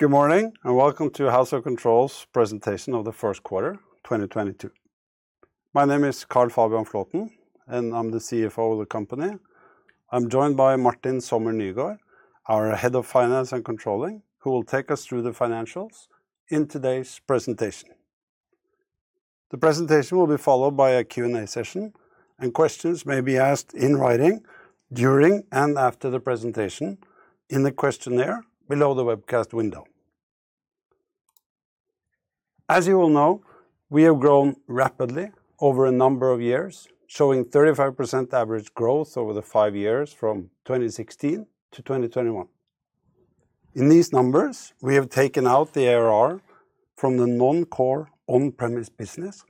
Good morning, and welcome to House of Control's presentation of the first quarter 2022. My name is Carl Fabian Flaaten, and I'm the CFO of the company. I'm joined by Martin Sommer Nygaard, our head of finance and controlling, who will take us through the financials in today's presentation. The presentation will be followed by a Q&A session, and questions may be asked in writing during and after the presentation in the questionnaire below the webcast window. As you all know, we have grown rapidly over a number of years, showing 35% average growth over the five years from 2016 to 2021. In these numbers, we have taken out the ARR from the non-core on-premise business,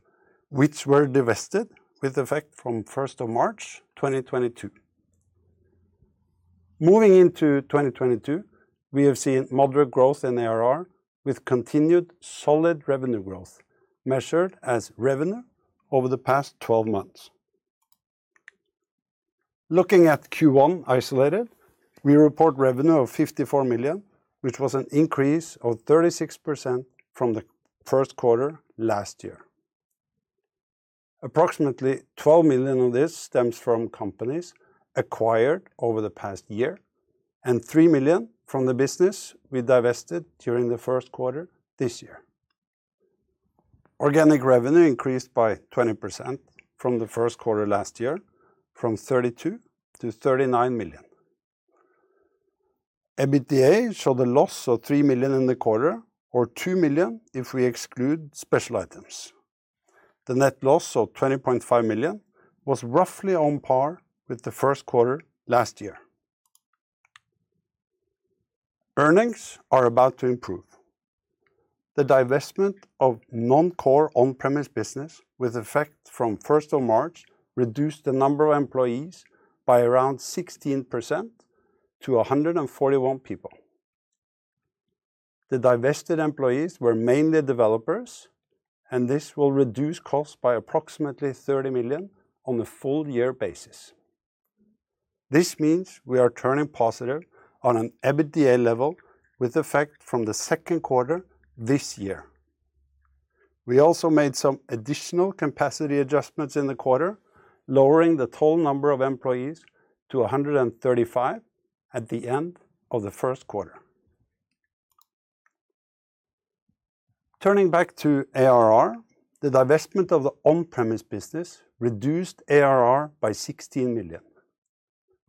which were divested with effect from 1st of March 2022. Moving into 2022, we have seen moderate growth in ARR with continued solid revenue growth measured as revenue over the past 12 months. Looking at Q1 isolated, we report revenue of 54 million, which was an increase of 36% from the first quarter last year. Approximately 12 million of this stems from companies acquired over the past year, and 3 million from the business we divested during the first quarter this year. Organic revenue increased by 20% from the first quarter last year from 32 million-39 million. EBITDA showed a loss of 3 million in the quarter or 2 million if we exclude special items. The net loss of 20.5 million was roughly on par with the first quarter last year. Earnings are about to improve. The divestment of non-core on-premise business with effect from 1st of March reduced the number of employees by around 16% to 141 people. The divested employees were mainly developers, and this will reduce costs by approximately 30 million on a full year basis. This means we are turning positive on an EBITDA level with effect from the second quarter this year. We also made some additional capacity adjustments in the quarter, lowering the total number of employees to 135 at the end of the first quarter. Turning back to ARR, the divestment of the on-premise business reduced ARR by 16 million.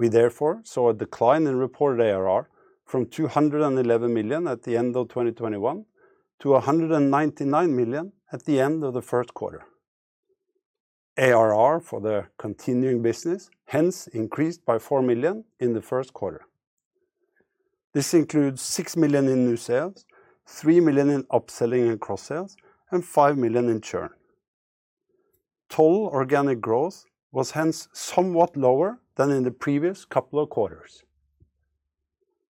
We therefore saw a decline in reported ARR from 211 million at the end of 2021 to 199 million at the end of the first quarter. ARR for the continuing business hence increased by 4 million in the first quarter. This includes 6 million in new sales, 3 million in upselling and cross sales, and 5 million in churn. Total organic growth was hence somewhat lower than in the previous couple of quarters.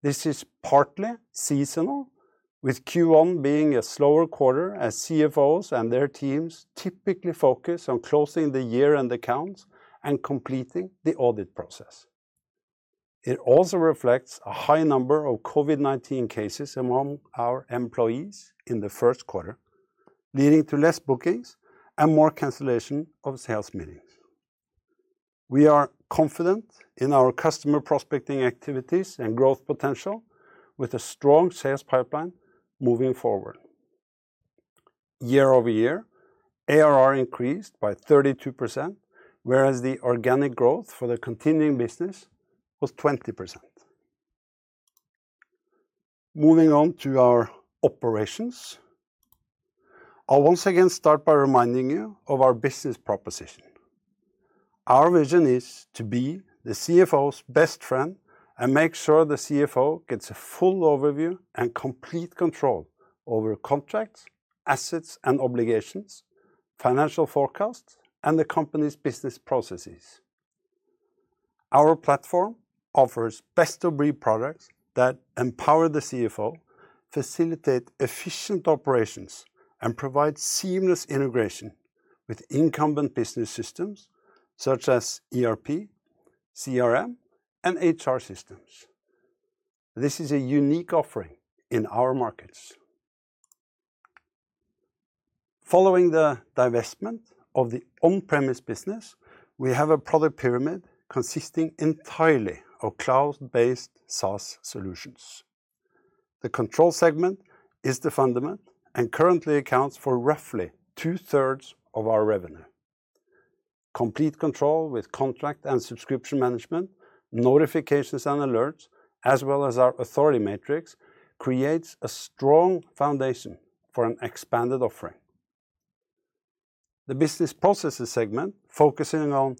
This is partly seasonal, with Q1 being a slower quarter as CFOs and their teams typically focus on closing the year-end accounts and completing the audit process. It also reflects a high number of COVID-19 cases among our employees in the first quarter, leading to less bookings and more cancellation of sales meetings. We are confident in our customer prospecting activities and growth potential with a strong sales pipeline moving forward. Year-over-year, ARR increased by 32%, whereas the organic growth for the continuing business was 20%. Moving on to our operations, I'll once again start by reminding you of our business proposition. Our vision is to be the CFO's best friend and make sure the CFO gets a full overview and complete control over contracts, assets and obligations, financial forecasts, and the company's business processes. Our platform offers best-of-breed products that empower the CFO, facilitate efficient operations, and provide seamless integration with incumbent business systems such as ERP, CRM, and HR systems. This is a unique offering in our markets. Following the divestment of the on-premise business, we have a product pyramid consisting entirely of cloud-based SaaS solutions. The control segment is the fundament and currently accounts for roughly 2/3 of our revenue. Complete Control with contract and subscription management, notifications and alerts, as well as our authority matrix, creates a strong foundation for an expanded offering. The business processes segment, focusing on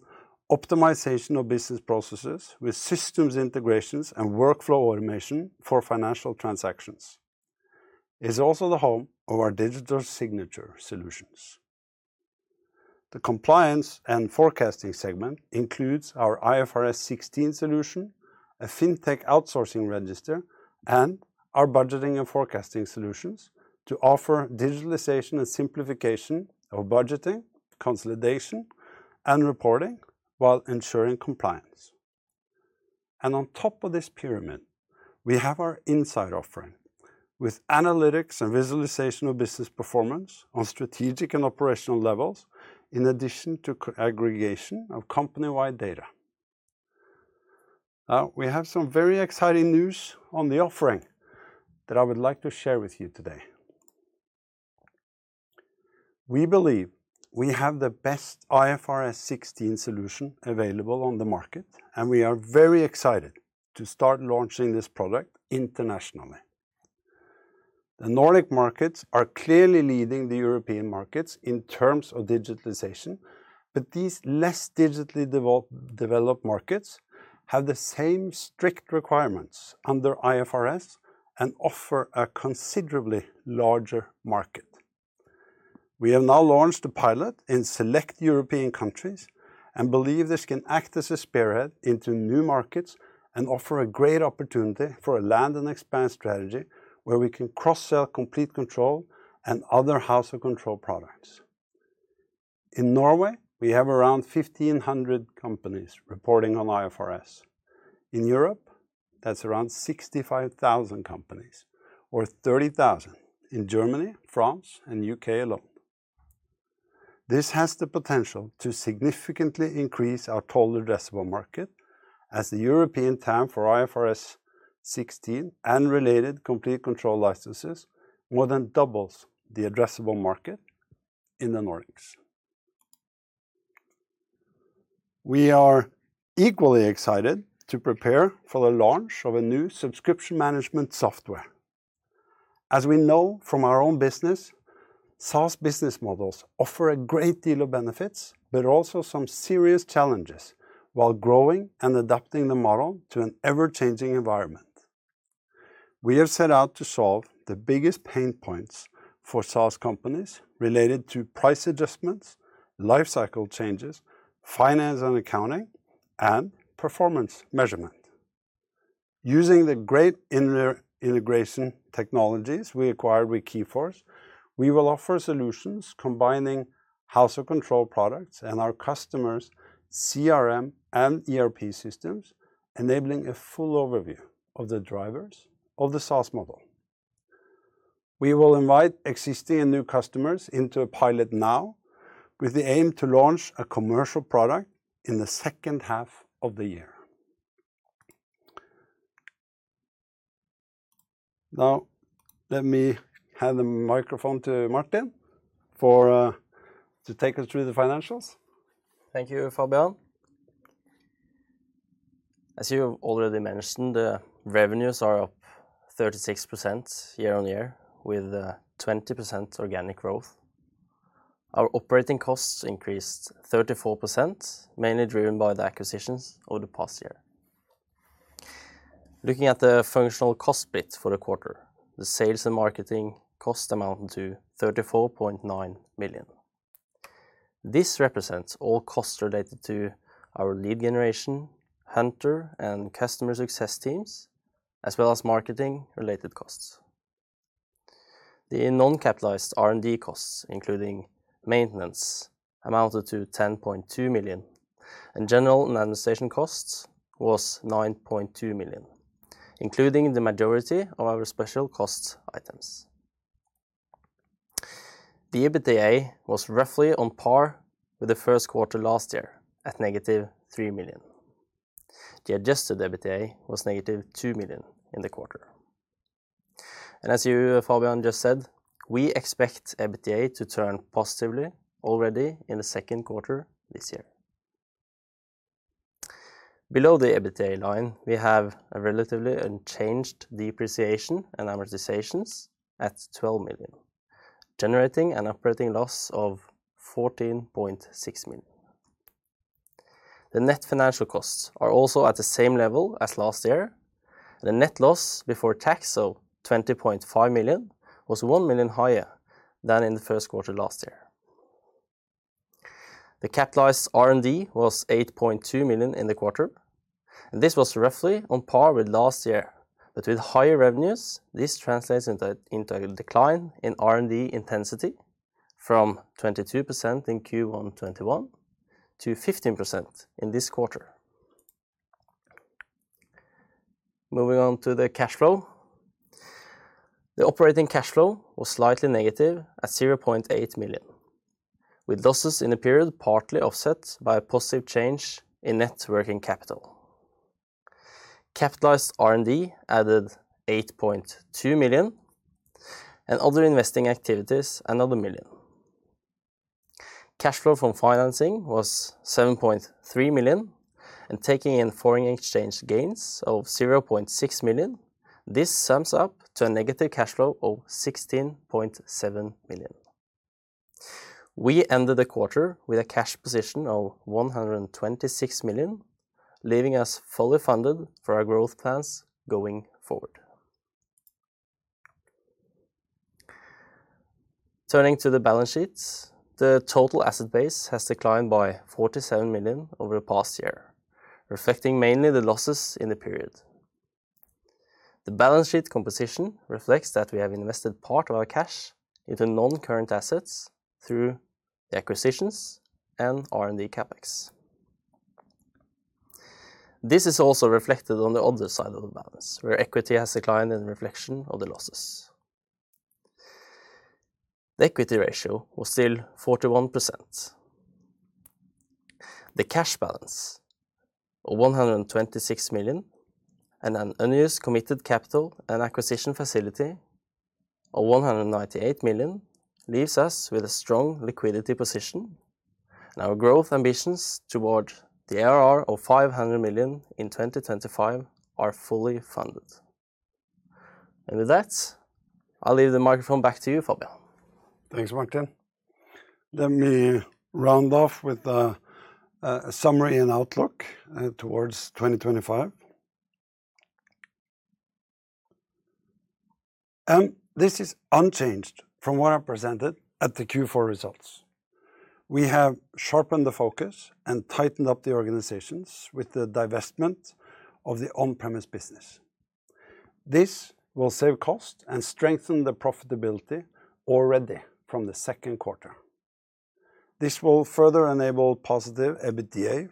optimization of business processes with systems integrations and workflow automation for financial transactions, is also the home of our digital signature solutions. The compliance and forecasting segment includes our IFRS 16 solution, a fintech outsourcing register, and our budgeting and forecasting solutions to offer digitalization and simplification of budgeting, consolidation, and reporting while ensuring compliance. On top of this pyramid, we have our inside offering with analytics and visualization of business performance on strategic and operational levels in addition to aggregation of company-wide data. We have some very exciting news on the offering that I would like to share with you today. We believe we have the best IFRS 16 solution available on the market, and we are very excited to start launching this product internationally. The Nordic markets are clearly leading the European markets in terms of digitization, but these less digitally developed markets have the same strict requirements under IFRS and offer a considerably larger market. We have now launched a pilot in select European countries and believe this can act as a spearhead into new markets and offer a great opportunity for a land and expand strategy where we can cross-sell Complete Control and other House of Control products. In Norway, we have around 1,500 companies reporting on IFRS. In Europe, that's around 65,000 companies or 30,000 in Germany, France, and U.K. alone. This has the potential to significantly increase our total addressable market as the European TAM for IFRS 16 and related Complete Control licenses more than doubles the addressable market in the Nordics. We are equally excited to prepare for the launch of a new subscription management software. As we know from our own business, SaaS business models offer a great deal of benefits, but also some serious challenges while growing and adapting the model to an ever-changing environment. We have set out to solve the biggest pain points for SaaS companies related to price adjustments, life cycle changes, finance and accounting, and performance measurement. Using the great inter-integration technologies we acquired with Keyforce, we will offer solutions combining House of Control products and our customers' CRM and ERP systems, enabling a full overview of the drivers of the SaaS model. We will invite existing and new customers into a pilot now with the aim to launch a commercial product in the second half of the year. Now, let me hand the microphone to Martin for, to take us through the financials. Thank you, Fabian. As you have already mentioned, the revenues are up 36% year-on-year with 20% organic growth. Our operating costs increased 34%, mainly driven by the acquisitions over the past year. Looking at the functional cost bit for the quarter, the sales and marketing cost amount to 34.9 million. This represents all costs related to our lead generation, hunter, and customer success teams, as well as marketing related costs. The non-capitalized R&D costs, including maintenance, amounted to 10.2 million, and general administration costs was 9.2 million, including the majority of our special cost items. The EBITDA was roughly on par with the first quarter last year at -3 million. The Adjusted EBITDA was -2 million in the quarter. As you, Fabian, just said, we expect EBITDA to turn positively already in the second quarter this year. Below the EBITDA line, we have a relatively unchanged depreciation and amortizations at 12 million, generating an operating loss of 14.6 million. The net financial costs are also at the same level as last year. The net loss before tax, so 20.5 million, was 1 million higher than in the first quarter last year. The capitalized R&D was 8.2 million in the quarter, and this was roughly on par with last year. With higher revenues, this translates into a decline in R&D intensity from 22% in Q1 2021 to 15% in this quarter. Moving on to the cash flow. The operating cash flow was slightly negative at 0.8 million, with losses in the period partly offset by a positive change in net working capital. Capitalized R&D added 8.2 million and other investing activities 1 million. Cash flow from financing was 7.3 million and taking in foreign exchange gains of 0.6 million. This sums up to a negative cash flow of 16.7 million. We ended the quarter with a cash position of 126 million, leaving us fully funded for our growth plans going forward. Turning to the balance sheets, the total asset base has declined by 47 million over the past year, reflecting mainly the losses in the period. The balance sheet composition reflects that we have invested part of our cash into non-current assets through the acquisitions and R&D CapEx. This is also reflected on the other side of the balance, where equity has declined in reflection of the losses. The equity ratio was still 41%. The cash balance of 126 million, and an unused committed capital and acquisition facility of 198 million, leaves us with a strong liquidity position. Our growth ambitions towards the ARR of 500 million in 2025 are fully funded. With that, I'll leave the microphone back to you, Fabian. Thanks, Martin. Let me round off with a summary and outlook towards 2025. This is unchanged from what I presented at the Q4 results. We have sharpened the focus and tightened up the organization with the divestment of the on-premise business. This will save cost and strengthen the profitability already from the second quarter. This will further enable positive EBITDA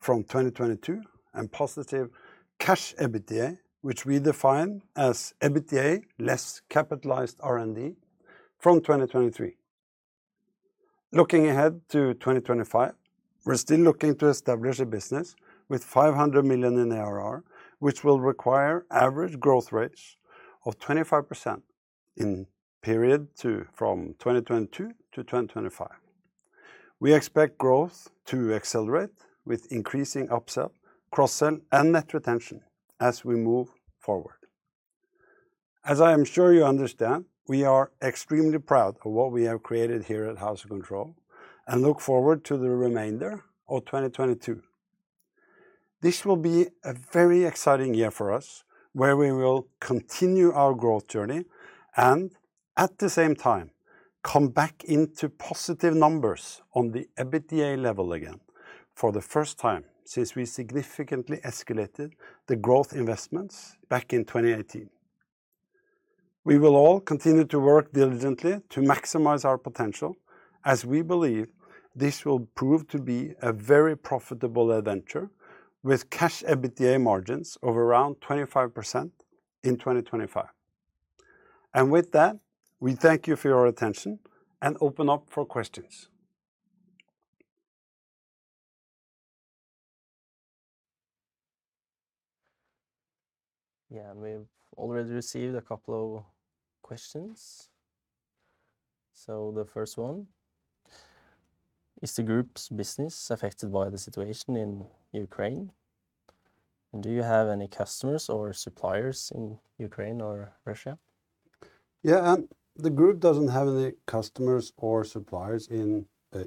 from 2022, and positive cash EBITDA, which we define as EBITDA less capitalized R&D, from 2023. Looking ahead to 2025, we're still looking to establish a business with 500 million in ARR, which will require average growth rates of 25% in the period from 2022-2025. We expect growth to accelerate with increasing upsell, cross-sell, and net retention as we move forward. As I am sure you understand, we are extremely proud of what we have created here at House of Control and look forward to the remainder of 2022. This will be a very exciting year for us, where we will continue our growth journey and, at the same time, come back into positive numbers on the EBITDA level again for the first time since we significantly escalated the growth investments back in 2018. We will all continue to work diligently to maximize our potential, as we believe this will prove to be a very profitable adventure, with cash EBITDA margins of around 25% in 2025. With that, we thank you for your attention and open up for questions. Yeah, we've already received a couple of questions. The first one, is the group's business affected by the situation in Ukraine? Do you have any customers or suppliers in Ukraine or Russia? Yeah. The group doesn't have any customers or suppliers in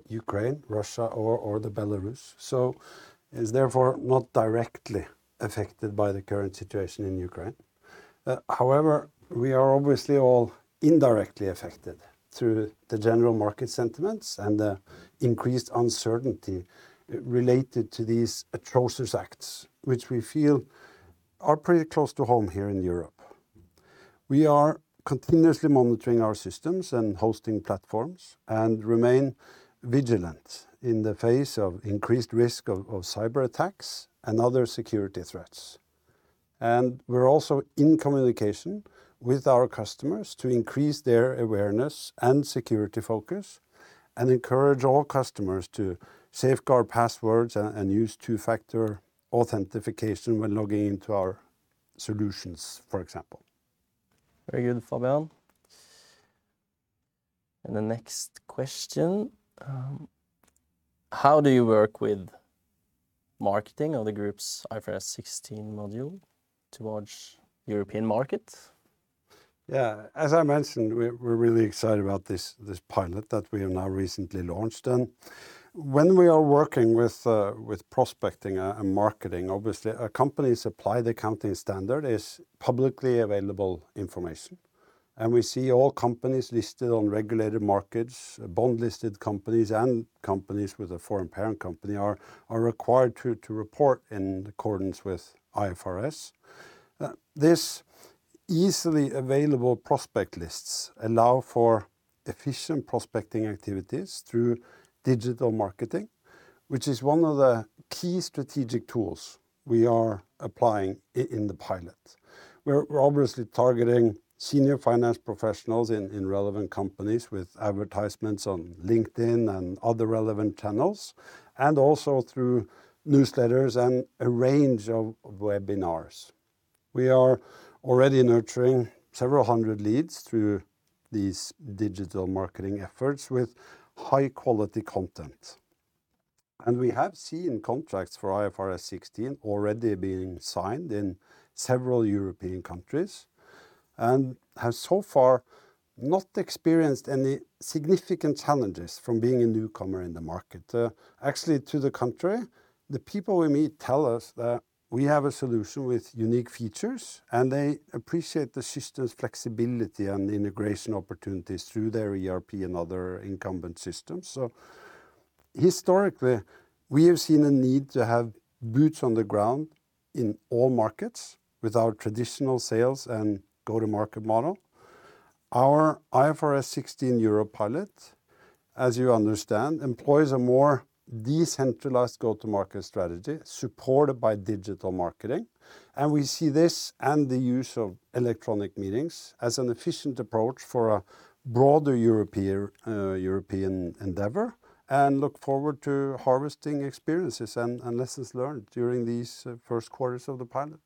Ukraine, Russia or Belarus, so is therefore not directly affected by the current situation in Ukraine. However, we are obviously all indirectly affected through the general market sentiments and the increased uncertainty related to these atrocious acts, which we feel are pretty close to home here in Europe. We are continuously monitoring our systems and hosting platforms, and remain vigilant in the face of increased risk of cyberattacks and other security threats. We're also in communication with our customers to increase their awareness and security focus, and encourage all customers to safeguard passwords and use two-factor authentication when logging into our solutions, for example. Very good, Fabian. The next question, how do you work with marketing of the group's IFRS 16 module towards European market? Yeah. As I mentioned, we're really excited about this pilot that we have now recently launched. When we are working with prospecting and marketing, obviously a company's applied accounting standard is publicly available information. We see all companies listed on regulated markets, bond-listed companies and companies with a foreign parent company are required to report in accordance with IFRS. This easily available prospect lists allow for efficient prospecting activities through digital marketing, which is one of the key strategic tools we are applying in the pilot. We're obviously targeting senior finance professionals in relevant companies with advertisements on LinkedIn and other relevant channels, and also through newsletters and a range of webinars. We are already nurturing several hundred leads through these digital marketing efforts with high-quality content. We have seen contracts for IFRS 16 already being signed in several European countries, and have so far not experienced any significant challenges from being a newcomer in the market. Actually, to the contrary, the people we meet tell us that we have a solution with unique features, and they appreciate the system's flexibility and integration opportunities through their ERP and other incumbent systems. Historically, we have seen a need to have boots on the ground in all markets with our traditional sales and go-to-market model. Our IFRS 16 Europe pilot, as you understand, employs a more decentralized go-to-market strategy supported by digital marketing, and we see this and the use of electronic meetings as an efficient approach for a broader European endeavor, and look forward to harvesting experiences and lessons learned during these first quarters of the pilot.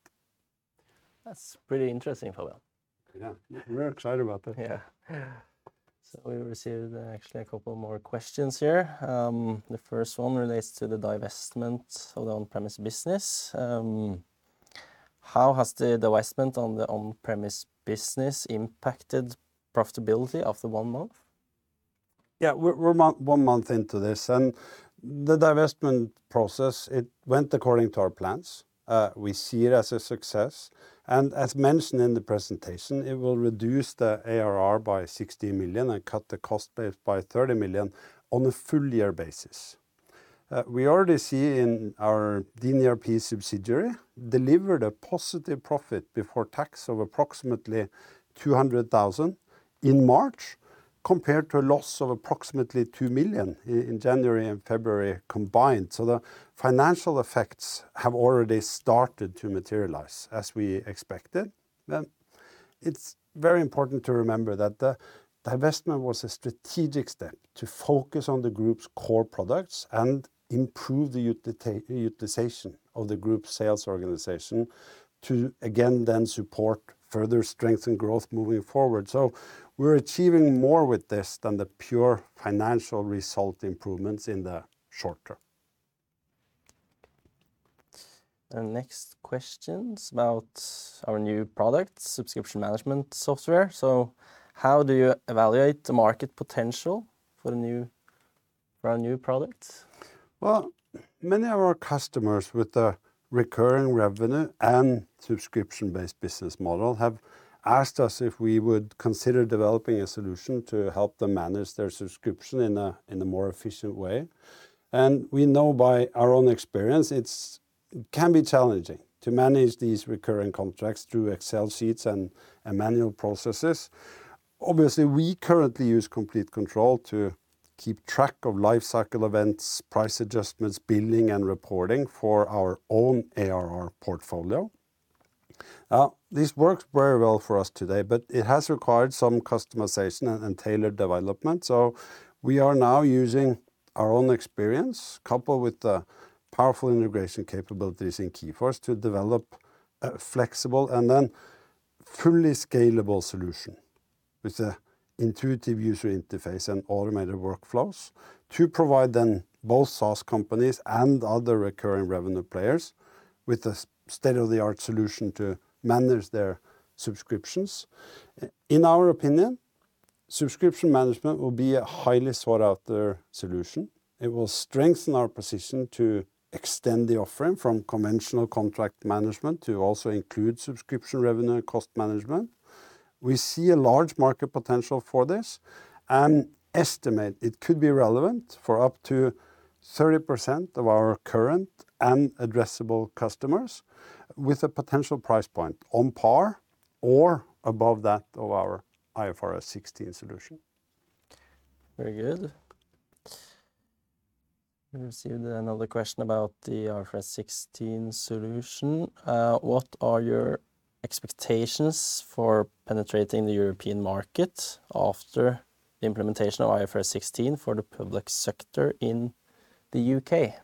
That's pretty interesting, Fabian. Yeah. We're excited about that. Yeah. Yeah. We received actually a couple more questions here. The first one relates to the divestment of the on-premise business. How has the divestment on the on-premise business impacted profitability after one month? We're one month into this. The divestment process went according to our plans. We see it as a success, and as mentioned in the presentation, it will reduce the ARR by 60 million and cut the cost base by 30 million on a full year basis. We already see our dinERP subsidiary delivered a positive profit before tax of approximately 200,000 in March, compared to a loss of approximately 2 million in January and February combined. The financial effects have already started to materialize as we expected. It's very important to remember that the divestment was a strategic step to focus on the group's core products and improve the utilization of the group sales organization to again support further strength and growth moving forward. We're achieving more with this than the pure financial result improvements in the short term. The next question's about our new product, subscription management software. How do you evaluate the market potential for our new product? Well, many of our customers with the recurring revenue and subscription-based business model have asked us if we would consider developing a solution to help them manage their subscription in a more efficient way. We know by our own experience it's. It can be challenging to manage these recurring contracts through Excel sheets and manual processes. Obviously, we currently use Complete Control to keep track of life cycle events, price adjustments, billing, and reporting for our own ARR portfolio. This works very well for us today, but it has required some customization and tailored development, so we are now using our own experience coupled with the powerful integration capabilities in Keyforce to develop a flexible and then fully scalable solution with an intuitive user interface and automated workflows to provide both SaaS companies and other recurring revenue players with the state-of-the-art solution to manage their subscriptions. In our opinion, subscription management will be a highly sought after solution. It will strengthen our position to extend the offering from conventional contract management to also include subscription revenue and cost management. We see a large market potential for this and estimate it could be relevant for up to 30% of our current and addressable customers with a potential price point on par or above that of our IFRS 16 solution. Very good. We've received another question about the IFRS 16 solution. What are your expectations for penetrating the European market after implementation of IFRS 16 for the public sector in the U.K.?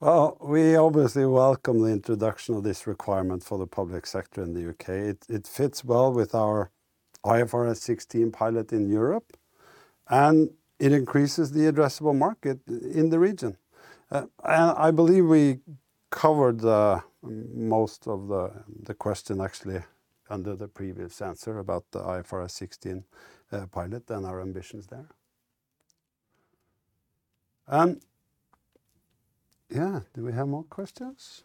Well, we obviously welcome the introduction of this requirement for the public sector in the U.K. It fits well with our IFRS 16 pilot in Europe, and it increases the addressable market in the region. I believe we covered most of the question actually under the previous answer about the IFRS 16 pilot and our ambitions there. Yeah, do we have more questions?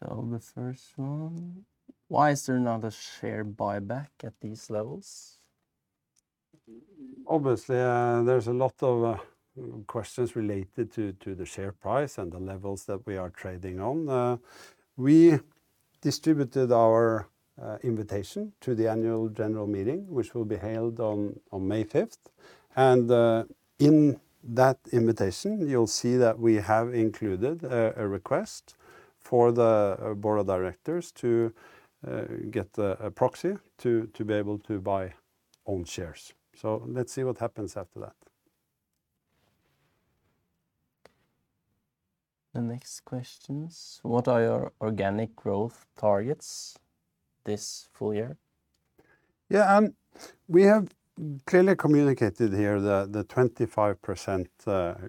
The first one, why is there not a share buyback at these levels? Obviously, there's a lot of questions related to the share price and the levels that we are trading on. We distributed our invitation to the annual general meeting, which will be held on May 5th, and in that invitation you'll see that we have included a request for the board of directors to get a proxy to be able to buy own shares. Let's see what happens after that. The next question's what are your organic growth targets this full year? Yeah. We have clearly communicated here the 25%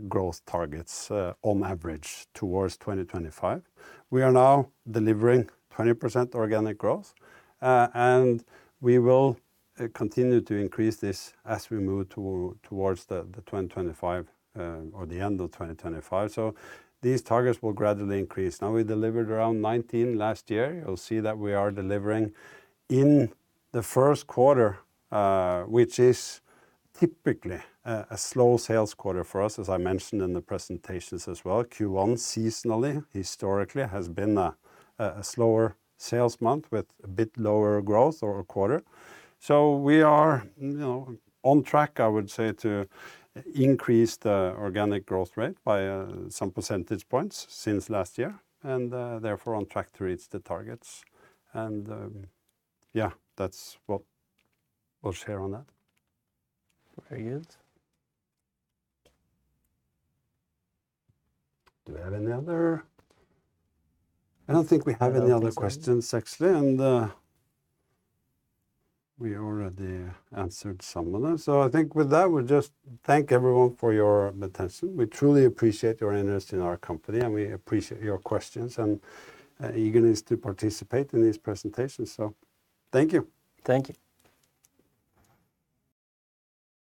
growth targets on average towards 2025. We are now delivering 20% organic growth and we will continue to increase this as we move towards the 2025 or the end of 2025. These targets will gradually increase. Now, we delivered around 19% last year. You'll see that we are delivering in the first quarter, which is typically a slow sales quarter for us, as I mentioned in the presentations as well. Q1 seasonally, historically, has been a slower sales month with a bit lower growth or quarter. We are, you know, on track, I would say, to increase the organic growth rate by some percentage points since last year and therefore on track to reach the targets. Yeah, that's what we'll share on that. Very good. Do we have any other I don't think we have any other questions actually, and, we already answered some of them. I think with that, we'll just thank everyone for your attention. We truly appreciate your interest in our company, and we appreciate your questions and eagerness to participate in this presentation, so thank you. Thank you.